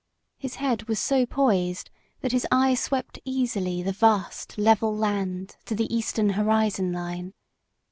His head was so poised that his eye swept easily the vast level land to the eastern horizon line.